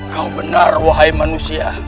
kau benar wahai manusia